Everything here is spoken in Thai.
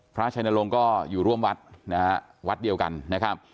พระชายนโลงก็อยู่ร่วมวัดเห็นวัดเดียวกันนะครับ